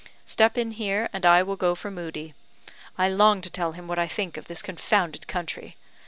Step in here, and I will go for Moodie; I long to tell him what I think of this confounded country.